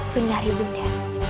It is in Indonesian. penyari ibu nda